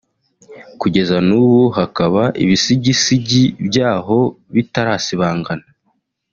kugeza n'ubu hakaba ibisigisigi byaho bitarasibangana